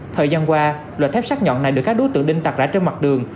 thời gian qua loại thép sát nhọn này được các đối tượng đinh tạc rãi trên mặt đường